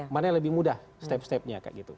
mana yang lebih mudah step stepnya kayak gitu